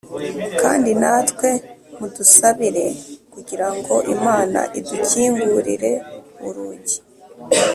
Kandi natwe mudusabire kugira ngo Imana idukingurire urugi